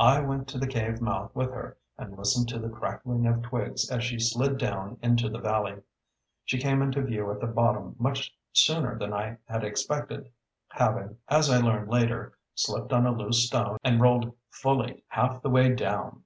I went to the cave mouth with her and listened to the crackling of twigs as she slid down into the valley. She came into view at the bottom much sooner than I had expected, having, as I learned later, slipped on a loose stone and rolled fully half the way down.